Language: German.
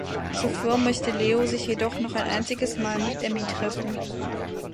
Zuvor möchte Leo sich jedoch noch ein einziges Mal mit Emmi treffen.